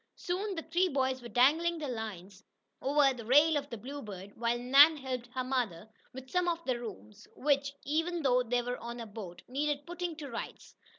Soon the three boys were dangling their lines over the rail of the Bluebird, while Nan helped her mother with some of the rooms, which, even though they were on a boat, needed "putting to rights."